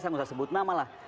saya nggak usah sebut nama lah